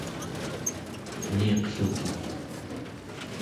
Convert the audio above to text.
niiqluki